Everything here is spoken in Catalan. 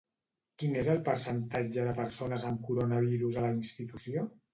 Quin és el percentatge de persones amb coronavirus a la institució?